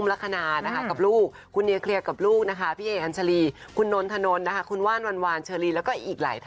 ไม่ว่าจะเป็นคุณอุ่มลักษณาท